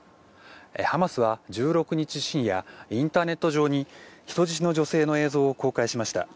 ハマスは１６日深夜インターネット上に人質の女性の映像を公開しました。